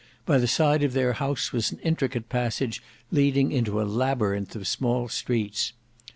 By the side of their house was an intricate passage leading into a labyrinth of small streets.